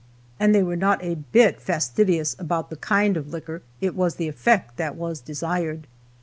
And they were not a bit fastidious about the kind of liquor, it was the effect that was desired.